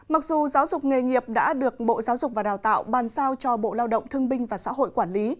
mặc dù giáo dục nghề nghiệp đã được bộ giáo dục và đào tạo bàn sao cho bộ lao động thương binh và xã hội quản lý